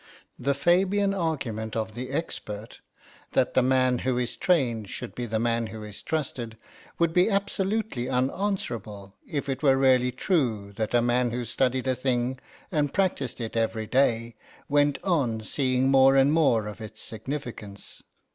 The Fabian argument of the expert, that the man who is trained should be the man who is trusted would be absolutely unanswerable if it were really true that a man who studied a thing and practiced it every day went on seeing more and more of its significance.